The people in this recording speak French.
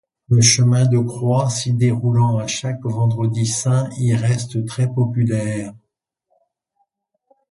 Le chemin de croix s'y déroulant à chaque Vendredi saint y reste très populaire.